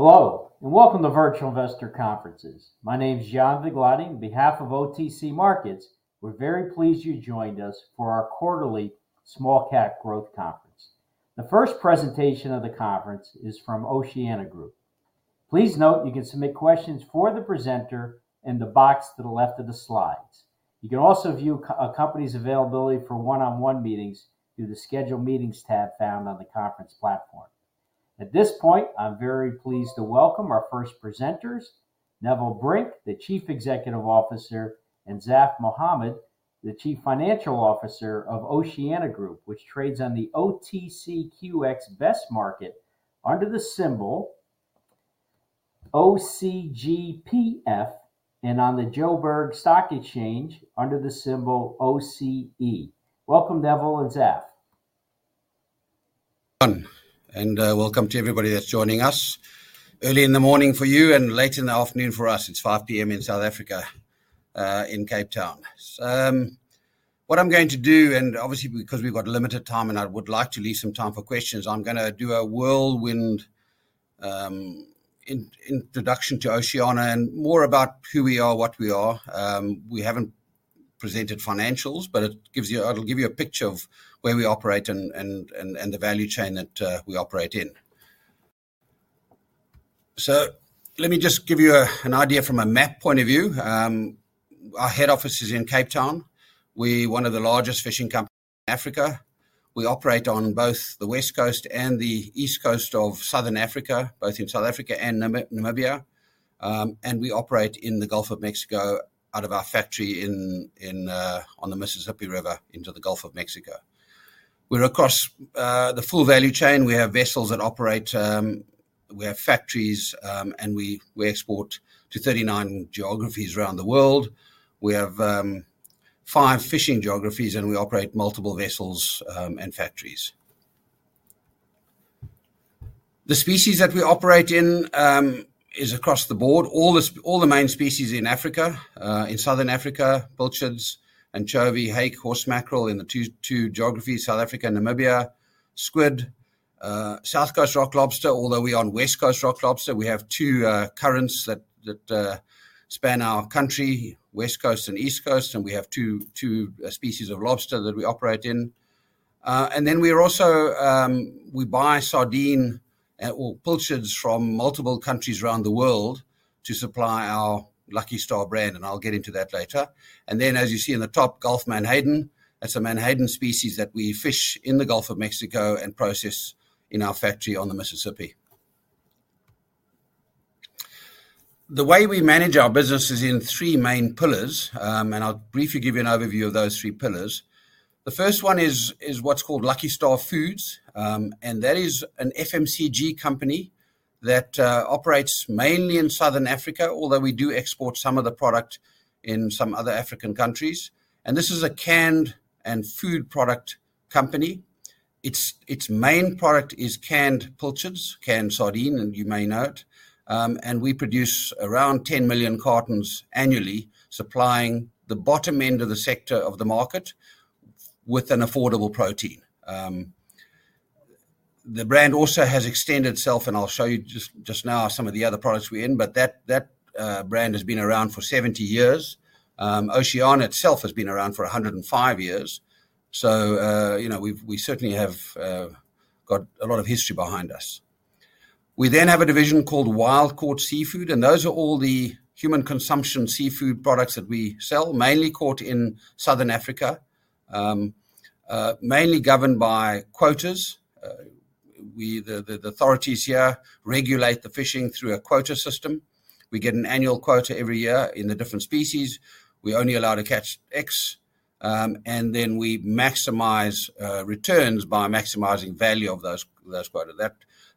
Hello, and welcome to Virtual Investor Conferences. My name is John Vigliotti. On behalf of OTC Markets, we're very pleased you joined us for our quarterly Small Cap Growth Conference. The first presentation of the conference is from Oceana Group. Please note you can submit questions for the presenter in the box to the left of the slides. You can also view a company's availability for one-on-one meetings through the Schedule Meetings tab found on the conference platform. At this point, I'm very pleased to welcome our first presenters, Neville Brink, the Chief Executive Officer, and Zaf Mahomed, the Chief Financial Officer of Oceana Group, which trades on the OTCQX Best Market under the symbol OCGPF and on the Johannesburg Stock Exchange under the symbol OCE. Welcome, Neville and Zaf. Welcome to everybody that's joining us early in the morning for you and late in the afternoon for us. It's 5:00 P.M. in South Africa in Cape Town. What I'm going to do, and obviously because we've got limited time and I would like to leave some time for questions, I'm going to do a whirlwind introduction to Oceana and more about who we are, what we are. We haven't presented financials, but it'll give you a picture of where we operate and the value chain that we operate in. So let me just give you an idea from a map point of view. Our head office is in Cape Town. We are one of the largest fishing companies in Africa. We operate on both the West Coast and the East Coast of Southern Africa, both in South Africa and Namibia. We operate in the Gulf of Mexico out of our factory on the Mississippi River into the Gulf of Mexico. We're across the full value chain. We have vessels that operate, we have factories, and we export to 39 geographies around the world. We have five fishing geographies, and we operate multiple vessels and factories. The species that we operate in is across the board. All the main species in Africa, in Southern Africa, pilchards, anchovy, hake, horse mackerel in the two geographies, South Africa and Namibia, squid, South Coast rock lobster. Although we are on West Coast rock lobster, we have two currents that span our country, West Coast and East Coast, and we have two species of lobster that we operate in. And then we are also. We buy sardine or pilchards from multiple countries around the world to supply our Lucky Star brand, and I'll get into that later. And then, as you see in the top, Gulf menhaden. That's a menhaden species that we fish in the Gulf of Mexico and process in our factory on the Mississippi. The way we manage our business is in three main pillars, and I'll briefly give you an overview of those three pillars. The first one is what's called Lucky Star Foods, and that is an FMCG company that operates mainly in Southern Africa, although we do export some of the product in some other African countries. And this is a canned and food product company. Its main product is canned pilchards, canned sardine, and you may know it. We produce around 10 million cartons annually, supplying the bottom end of the sector of the market with an affordable protein. The brand also has extended itself, and I'll show you just now some of the other products we're in, but that brand has been around for 70 years. Oceana itself has been around for 105 years. So we certainly have got a lot of history behind us. We then have a division called Wild Caught Seafood, and those are all the human consumption seafood products that we sell, mainly caught in Southern Africa, mainly governed by quotas. The authorities here regulate the fishing through a quota system. We get an annual quota every year in the different species. We're only allowed to catch X, and then we maximize returns by maximizing value of those quotas.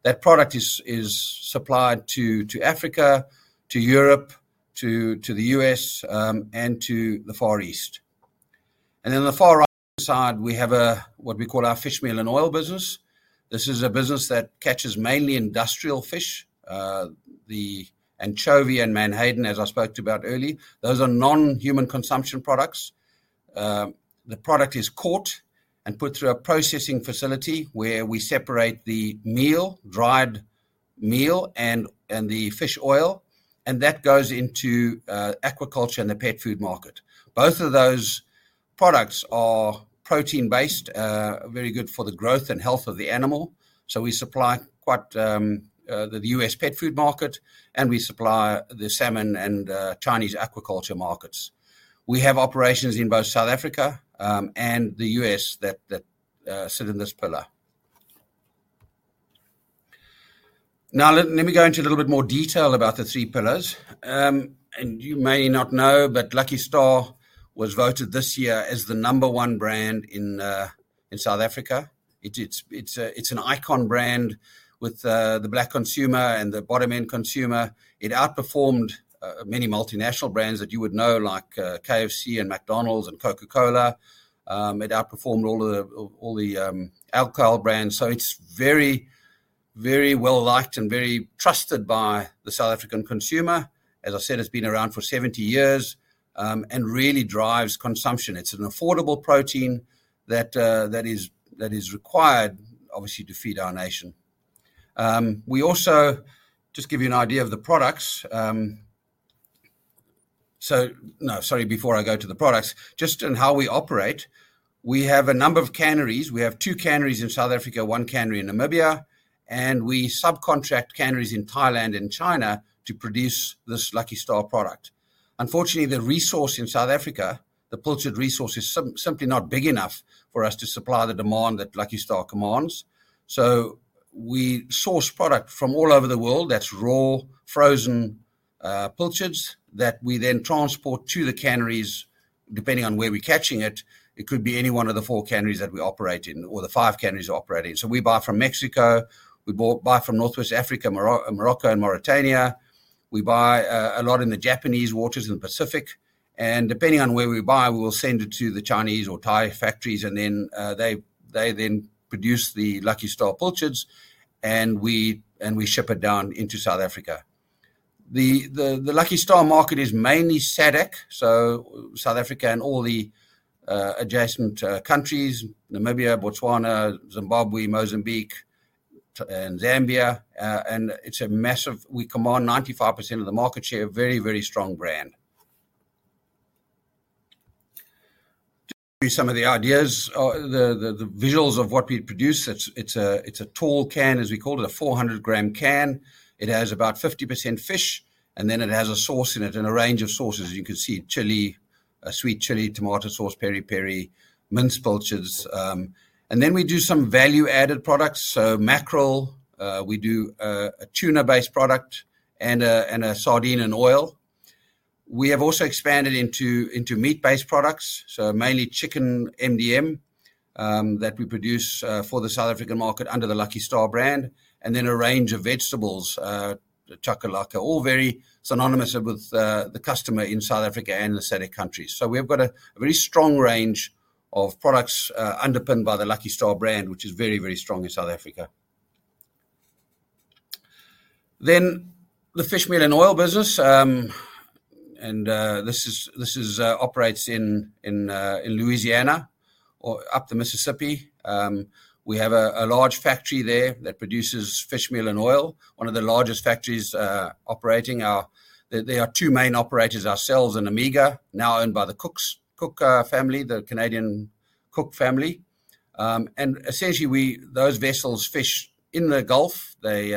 That product is supplied to Africa, to Europe, to the U.S., and to the Far East, and then on the far right side, we have what we call our fish meal and oil business. This is a business that catches mainly industrial fish, the anchovy and menhaden, as I spoke about earlier. Those are non-human consumption products. The product is caught and put through a processing facility where we separate the meal, dried meal, and the fish oil, and that goes into aquaculture and the pet food market. Both of those products are protein-based, very good for the growth and health of the animal, so we supply quite the U.S. pet food market, and we supply the salmon and Chinese aquaculture markets. We have operations in both South Africa and the U.S. that sit in this pillar. Now, let me go into a little bit more detail about the three pillars, and you may not know, but Lucky Star was voted this year as the number one brand in South Africa. It's an icon brand with the black consumer and the bottom-end consumer. It outperformed many multinational brands that you would know, like KFC and McDonald's and Coca-Cola. It outperformed all the alcohol brands, so it's very, very well-liked and very trusted by the South African consumer. As I said, it's been around for 70 years and really drives consumption. It's an affordable protein that is required, obviously, to feed our nation. We also, just to give you an idea of the products, before I go to the products, just in how we operate, we have a number of canneries. We have two canneries in South Africa, one cannery in Namibia, and we subcontract canneries in Thailand and China to produce this Lucky Star product. Unfortunately, the resource in South Africa, the pilchard resource is simply not big enough for us to supply the demand that Lucky Star commands. So we source product from all over the world. That's raw, frozen pilchards that we then transport to the canneries, depending on where we're catching it. It could be any one of the four canneries that we operate in or the five canneries we operate in. So we buy from Mexico. We buy from Northwest Africa, Morocco, and Mauritania. We buy a lot in the Japanese waters in the Pacific. Depending on where we buy, we will send it to the Chinese or Thai factories, and then they then produce the Lucky Star pilchards, and we ship it down into South Africa. The Lucky Star market is mainly SADC, so South Africa and all the adjacent countries, Namibia, Botswana, Zimbabwe, Mozambique, and Zambia. And it's a massive, we command 95% of the market share, very, very strong brand. To give you some of the ideas, the visuals of what we produce, it's a tall can, as we call it, a 400-gram can. It has about 50% fish, and then it has a sauce in it and a range of sauces. You can see chili, sweet chili, tomato sauce, peri-peri, minced pilchards. And then we do some value-added products. So mackerel, we do a tuna-based product and a sardine and oil. We have also expanded into meat-based products, so mainly chicken MDM that we produce for the South African market under the Lucky Star brand, and then a range of vegetables, the chakalaka, all very synonymous with the customer in South Africa and the SADC countries. So we've got a very strong range of products underpinned by the Lucky Star brand, which is very, very strong in South Africa. Then the fish meal and oil business, and this operates in Louisiana or up the Mississippi. We have a large factory there that produces fish meal and oil, one of the largest factories operating. There are two main operators, ourselves and Omega, now owned by the Cooke family, the Canadian Cooke family. And essentially, those vessels fish in the Gulf. They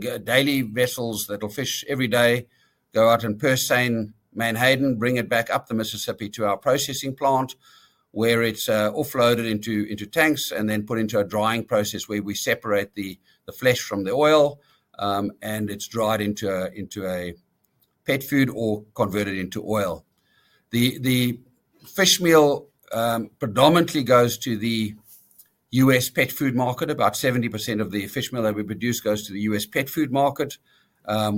get daily vessels that will fish every day, go out and purse seine menhaden, bring it back up the Mississippi to our processing plant where it's offloaded into tanks and then put into a drying process where we separate the flesh from the oil, and it's dried into a pet food or converted into oil. The fish meal predominantly goes to the U.S. pet food market. About 70% of the fish meal that we produce goes to the U.S. pet food market.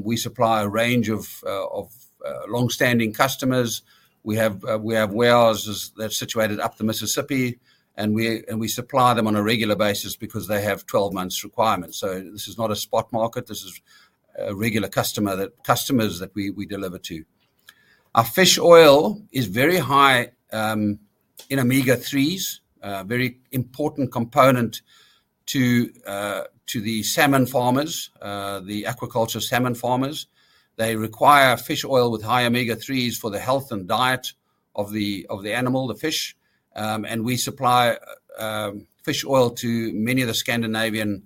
We supply a range of long-standing customers. We have wells that are situated up the Mississippi, and we supply them on a regular basis because they have 12-month requirements. So this is not a spot market. This is a regular customer that customers that we deliver to. Our fish oil is very high in omega-3s, a very important component to the salmon farmers, the aquaculture salmon farmers. They require fish oil with high omega-3s for the health and diet of the animal, the fish, and we supply fish oil to many of the Scandinavian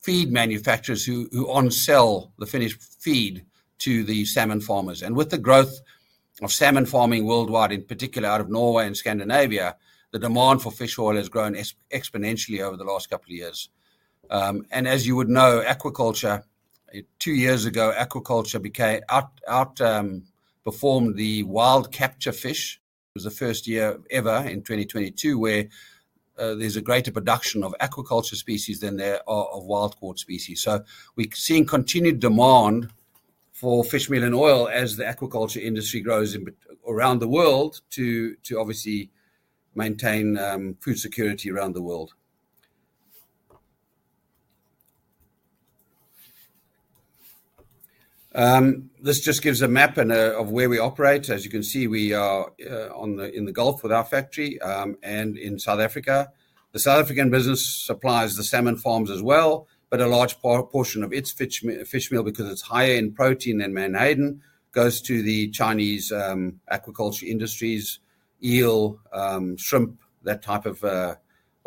feed manufacturers who on-sell the finished feed to the salmon farmers, and with the growth of salmon farming worldwide, in particular out of Norway and Scandinavia, the demand for fish oil has grown exponentially over the last couple of years, and as you would know, aquaculture, two years ago, aquaculture outperformed the wild capture fish. It was the first year ever in 2022 where there's a greater production of aquaculture species than there are of wild caught species, so we're seeing continued demand for fish, meal, and oil as the aquaculture industry grows around the world to obviously maintain food security around the world. This just gives a map of where we operate. As you can see, we are in the Gulf with our factory and in South Africa. The South African business supplies the salmon farms as well, but a large portion of its fish meal, because it's higher in protein than menhaden, goes to the Chinese aquaculture industries, eel, shrimp, that type of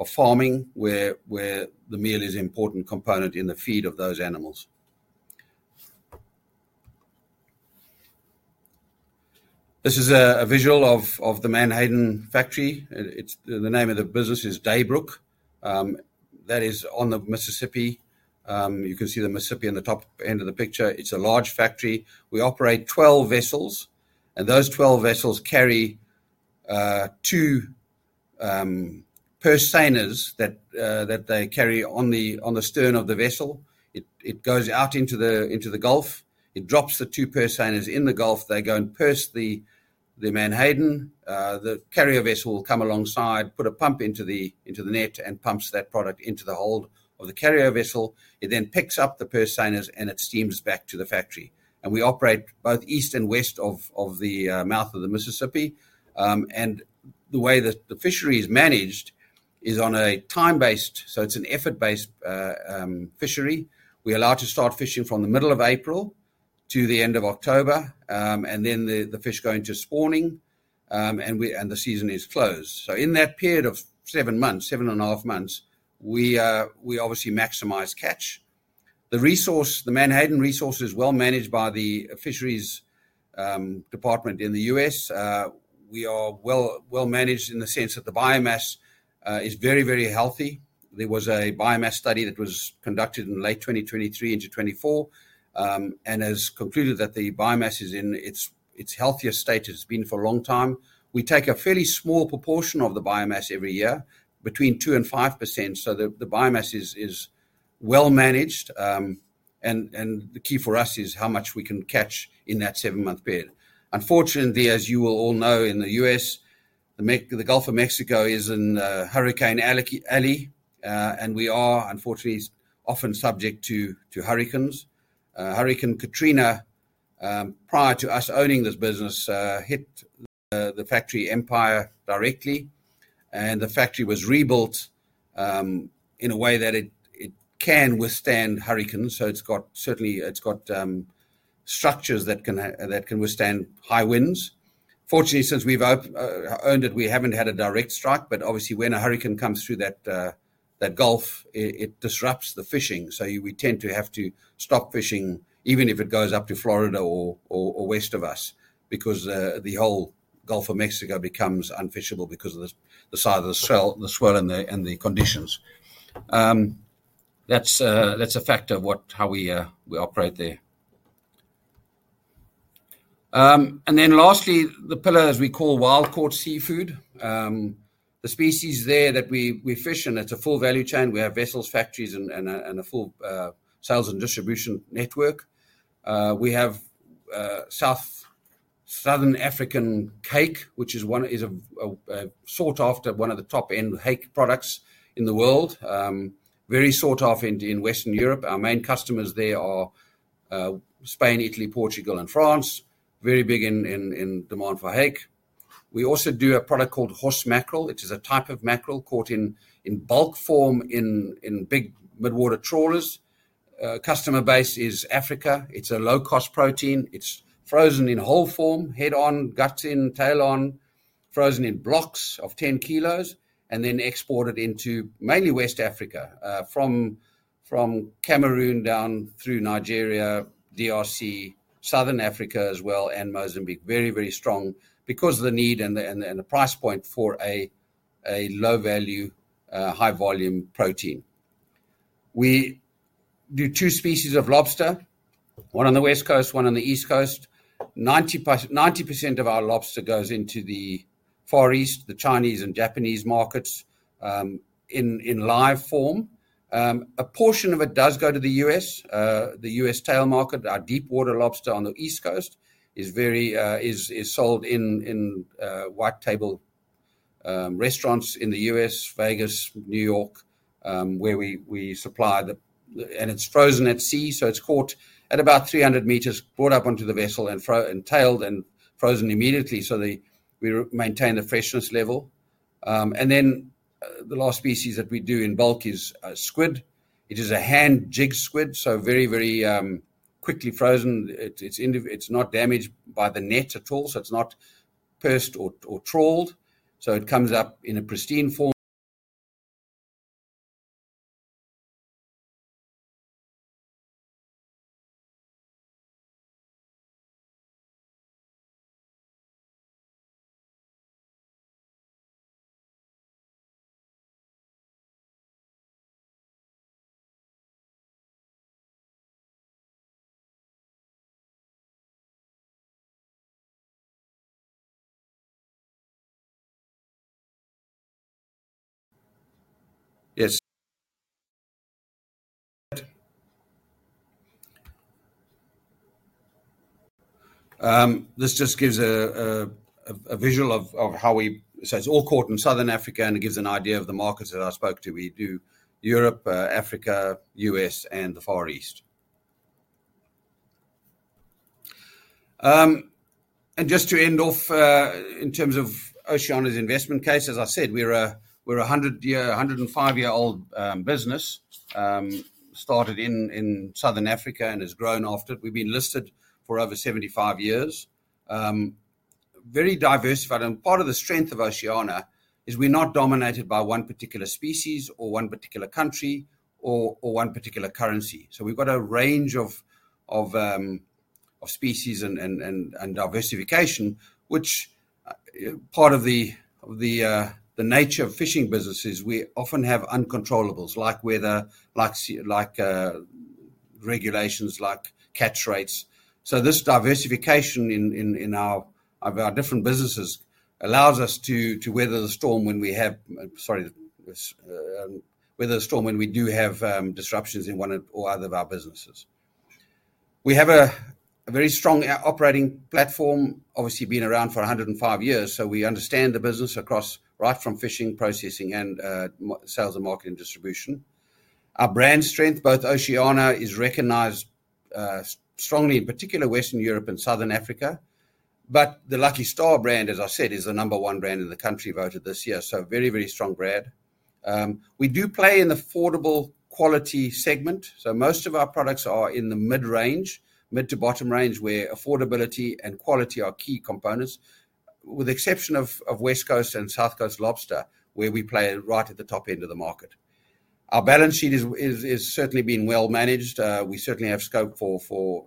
farming where the meal is an important component in the feed of those animals. This is a visual of the menhaden factory. The name of the business is Daybrook. That is on the Mississippi. You can see the Mississippi in the top end of the picture. It's a large factory. We operate 12 vessels, and those 12 vessels carry two purse seiners that they carry on the stern of the vessel. It goes out into the Gulf. It drops the two purse seiners in the Gulf. They go and purse the menhaden. The carrier vessel will come alongside, put a pump into the net and pumps that product into the hold of the carrier vessel. It then picks up the purse seiners, and it steams back to the factory, and we operate both east and west of the mouth of the Mississippi, and the way that the fishery is managed is on a time-based, so it's an effort-based fishery. We are allowed to start fishing from the middle of April to the end of October, and then the fish go into spawning, and the season is closed, so in that period of seven months, seven and a half months, we obviously maximize catch. The resource, the menhaden resource is well managed by the fisheries department in the U.S. We are well managed in the sense that the biomass is very, very healthy. There was a biomass study that was conducted in late 2023 into 2024 and has concluded that the biomass is in its healthiest state as it's been for a long time. We take a fairly small proportion of the biomass every year, between 2% and 5%, so the biomass is well managed, and the key for us is how much we can catch in that seven-month period. Unfortunately, as you will all know, in the U.S., the Gulf of Mexico is in a hurricane alley, and we are unfortunately often subject to hurricanes. Hurricane Katrina, prior to us owning this business, hit the factory in Empire directly, and the factory was rebuilt in a way that it can withstand hurricanes, so certainly, it's got structures that can withstand high winds. Fortunately, since we've owned it, we haven't had a direct strike. Obviously, when a hurricane comes through that Gulf, it disrupts the fishing. We tend to have to stop fishing, even if it goes up to Florida or west of us, because the whole Gulf of Mexico becomes unfishable because of the size of the swell and the conditions. That's a factor of how we operate there. Lastly, the pillar as we call Wild Caught Seafood. The species there that we fish, and it's a full value chain. We have vessels, factories, and a full sales and distribution network. We have Southern African hake, which is sought after, one of the top-end hake products in the world, very sought after in Western Europe. Our main customers there are Spain, Italy, Portugal, and France, very big in demand for hake. We also do a product called horse Mackerel. It is a type of mackerel caught in bulk form in big midwater trawlers. Customer base is Africa. It's a low-cost protein. It's frozen in whole form, head-on, guts in, tail-on, frozen in blocks of 10 kilos, and then exported into mainly West Africa from Cameroon down through Nigeria, DRC, Southern Africa as well, and Mozambique. Very, very strong because of the need and the price point for a low-value, high-volume protein. We do two species of lobster, one on the West Coast, one on the East Coast. 90% of our lobster goes into the Far East, the Chinese and Japanese markets in live form. A portion of it does go to the U.S., the U.S. tail market. Our deep-water lobster on the East Coast is sold in white-table restaurants in the U.S., Vegas, New York, where we supply the, and it's frozen at sea. So it's caught at about 300 meters, brought up onto the vessel and tailed and frozen immediately. So we maintain the freshness level. And then the last species that we do in bulk is squid. It is a hand jig squid, so very, very quickly frozen. It's not damaged by the net at all, so it's not purse-seined or trawled. So it comes up in a pristine form. Yes. This just gives a visual of how we, so it's all caught in Southern Africa, and it gives an idea of the markets that I spoke to. We do Europe, Africa, U.S., and the Far East. And just to end off in terms of Oceana's investment case, as I said, we're a 105-year-old business started in Southern Africa and has grown after it. We've been listed for over 75 years. Very diversified. Part of the strength of Oceana is we're not dominated by one particular species or one particular country or one particular currency. So we've got a range of species and diversification, which part of the nature of fishing businesses, we often have uncontrollables like regulations, like catch rates. So this diversification of our different businesses allows us to weather the storm when we have, sorry, weather the storm when we do have disruptions in one or other of our businesses. We have a very strong operating platform, obviously been around for 105 years. So we understand the business across right from fishing, processing, and sales and marketing distribution. Our brand strength, both Oceana is recognized strongly, in particular, Western Europe and Southern Africa. But the Lucky Star brand, as I said, is the number one brand in the country voted this year. So very, very strong brand. We do play in the affordable quality segment. So most of our products are in the mid-range, mid to bottom range where affordability and quality are key components, with the exception of West Coast and South Coast lobster, where we play right at the top end of the market. Our balance sheet has certainly been well managed. We certainly have scope for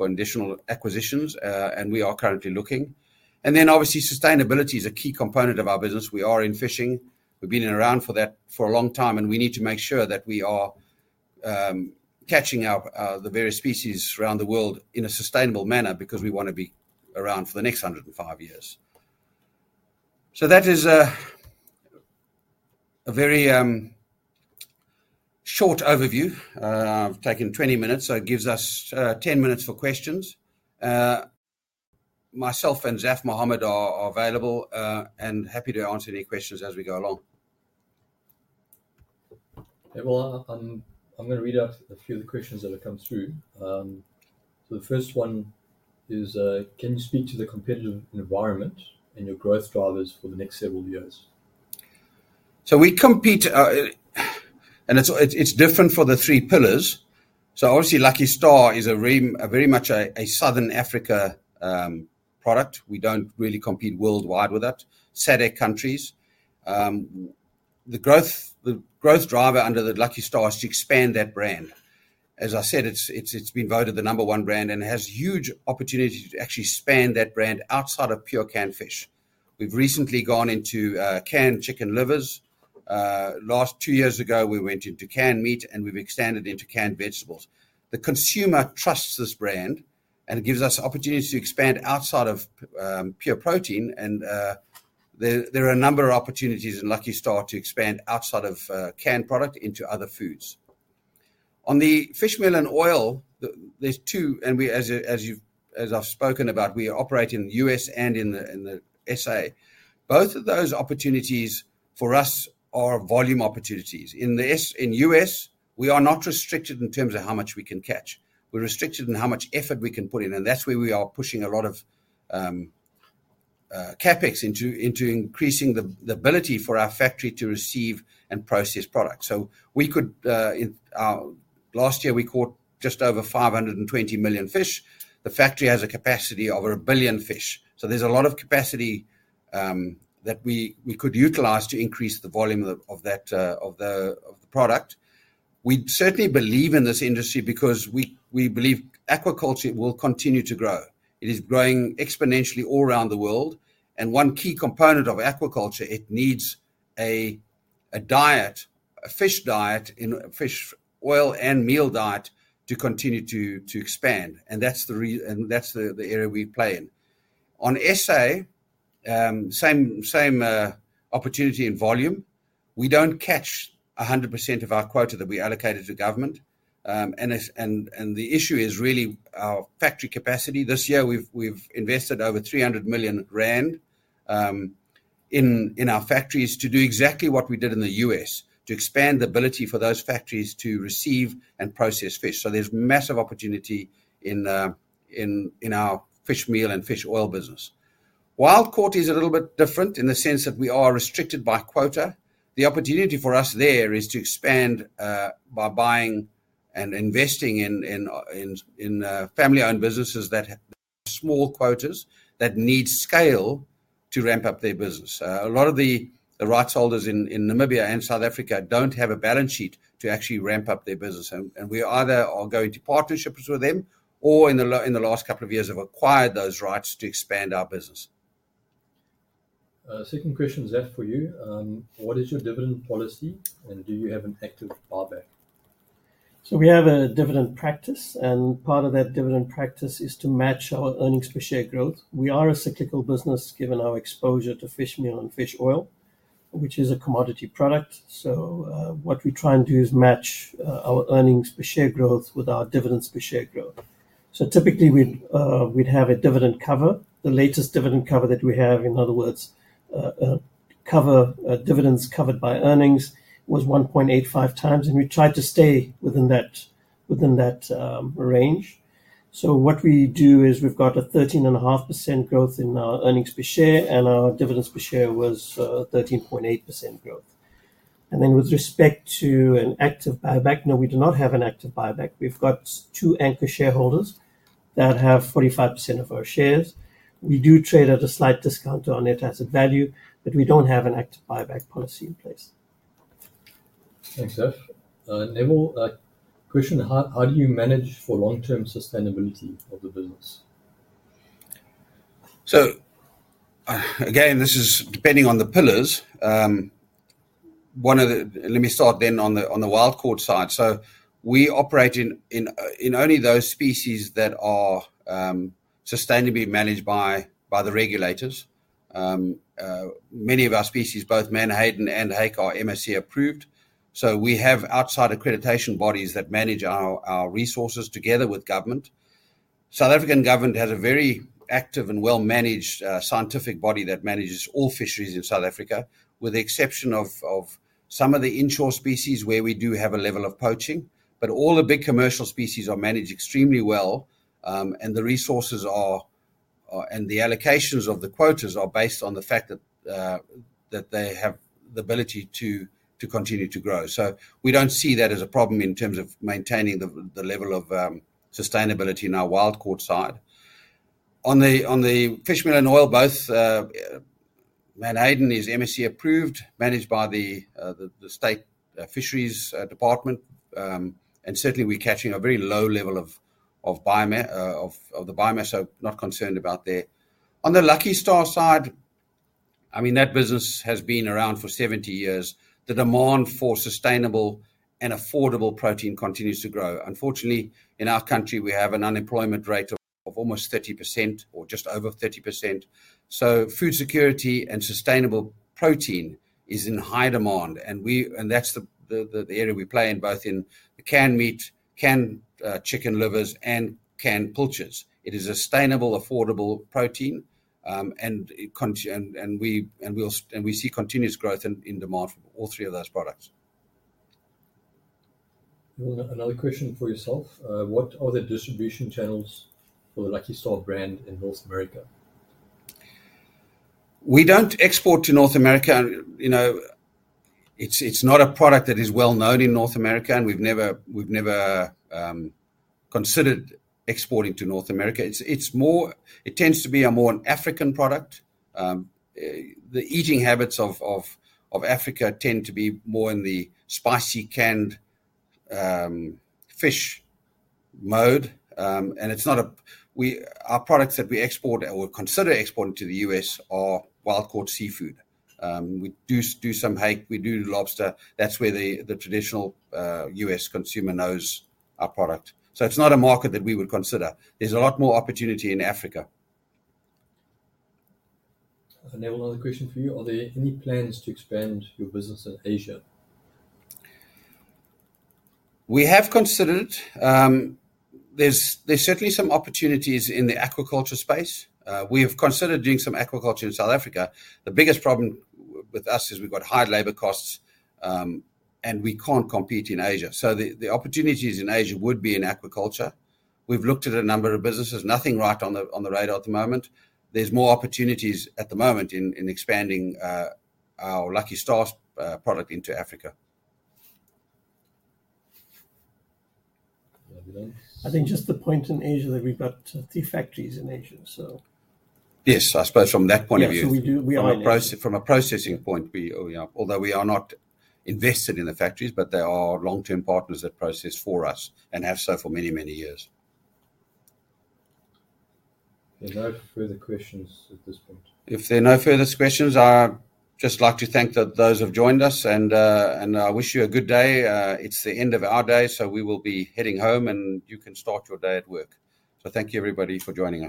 additional acquisitions, and we are currently looking. And then obviously, sustainability is a key component of our business. We are in fishing. We've been around for that for a long time, and we need to make sure that we are catching the various species around the world in a sustainable manner because we want to be around for the next 105 years. So that is a very short overview. I've taken 20 minutes, so it gives us 10 minutes for questions. Myself and Zafar Mahomed are available and happy to answer any questions as we go along. Okay. Well, I'm going to read out a few of the questions that have come through. So the first one is, can you speak to the competitive environment and your growth drivers for the next several years? We compete, and it's different for the three pillars. Obviously, Lucky Star is very much a Southern Africa product. We don't really compete worldwide with that, SADC countries. The growth driver under the Lucky Star is to expand that brand. As I said, it's been voted the number one brand, and it has huge opportunity to actually expand that brand outside of pure canned fish. We've recently gone into canned chicken livers. Last two years ago, we went into canned meat, and we've expanded into canned vegetables. The consumer trusts this brand, and it gives us opportunities to expand outside of pure protein. There are a number of opportunities in Lucky Star to expand outside of canned product into other foods. On the fish meal and oil, there's two. As I've spoken about, we operate in the U.S. and in the SA. Both of those opportunities for us are volume opportunities. In the U.S., we are not restricted in terms of how much we can catch. We're restricted in how much effort we can put in. And that's where we are pushing a lot of CapEx into increasing the ability for our factory to receive and process products. So last year, we caught just over 520 million fish. The factory has a capacity of a billion fish. So there's a lot of capacity that we could utilize to increase the volume of the product. We certainly believe in this industry because we believe aquaculture will continue to grow. It is growing exponentially all around the world. And one key component of aquaculture, it needs a diet, a fish diet, fish oil and meal diet to continue to expand. And that's the area we play in. On SA, same opportunity in volume. We don't catch 100% of our quota that we allocated to government. And the issue is really our factory capacity. This year, we've invested over 300 million rand in our factories to do exactly what we did in the U.S., to expand the ability for those factories to receive and process fish. So there's massive opportunity in our fish meal and fish oil business. Wild Caught is a little bit different in the sense that we are restricted by quota. The opportunity for us there is to expand by buying and investing in family-owned businesses that have small quotas that need scale to ramp up their business. A lot of the rights holders in Namibia and South Africa don't have a balance sheet to actually ramp up their business. We either are going to partnerships with them or in the last couple of years have acquired those rights to expand our business. Second question, Zaf, for you. What is your dividend policy, and do you have an active buyback? We have a dividend practice, and part of that dividend practice is to match our earnings per share growth. We are a cyclical business given our exposure to fish meal and fish oil, which is a commodity product. What we try and do is match our earnings per share growth with our dividends per share growth. Typically, we'd have a dividend cover. The latest dividend cover that we have, in other words, dividends covered by earnings was 1.85 times, and we tried to stay within that range. What we do is we've got a 13.5% growth in our earnings per share, and our dividends per share was 13.8% growth. Then with respect to an active buyback, no, we do not have an active buyback. We've got two anchor shareholders that have 45% of our shares. We do trade at a slight discount on net asset value, but we don't have an active buyback policy in place. Thanks, Zaf. Neville, question, how do you manage for long-term sustainability of the business? So again, this is depending on the pillars. Let me start then on the wild caught side. We operate in only those species that are sustainably managed by the regulators. Many of our species, both menhaden and hake, MSC approved. We have outside accreditation bodies that manage our resources together with government. South African government has a very active and well-managed scientific body that manages all fisheries in South Africa, with the exception of some of the inshore species where we do have a level of poaching. But all the big commercial species are managed extremely well, and the resources and the allocations of the quotas are based on the fact that they have the ability to continue to grow. We don't see that as a problem in terms of maintaining the level of sustainability in our wild caught side. On the fish meal and oil, both Menhaden is MSC approved, managed by the State Fisheries Department. Certainly, we're catching a very low level of the biomass, so not concerned about there. On the Lucky Star side, I mean, that business has been around for 70 years. The demand for sustainable and affordable protein continues to grow. Unfortunately, in our country, we have an unemployment rate of almost 30% or just over 30%. Food security and sustainable protein is in high demand. That's the area we play in, both in canned meat, canned chicken livers, and canned pilchards. It is a sustainable, affordable protein, and we see continuous growth in demand for all three of those products. Another question for yourself. What are the distribution channels for the Lucky Star brand in North America? We don't export to North America. It's not a product that is well known in North America, and we've never considered exporting to North America. It tends to be a more African product. The eating habits of Africa tend to be more in the spicy canned fish mode, and our products that we export or consider exporting to the U.S. are wild caught seafood. We do some hake. We do lobster. That's where the traditional U.S. consumer knows our product, so it's not a market that we would consider. There's a lot more opportunity in Africa. Neville, another question for you. Are there any plans to expand your business in Asia? We have considered. There's certainly some opportunities in the aquaculture space. We have considered doing some aquaculture in South Africa. The biggest problem with us is we've got high labor costs, and we can't compete in Asia. So the opportunities in Asia would be in aquaculture. We've looked at a number of businesses. Nothing right on the radar at the moment. There's more opportunities at the moment in expanding our Lucky Star product into Africa. I think just the point in Asia that we've got three factories in Asia, so. Yes, I suppose from that point of view. From a processing point, although we are not invested in the factories, but there are long-term partners that process for us and have so for many, many years. There are no further questions at this point. If there are no further questions, I'd just like to thank those who have joined us, and I wish you a good day. It's the end of our day, so we will be heading home, and you can start your day at work. So thank you, everybody, for joining us.